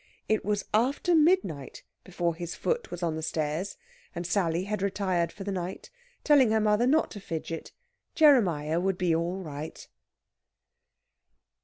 It was after midnight before his foot was on the stairs, and Sally had retired for the night, telling her mother not to fidget Jeremiah would be all right.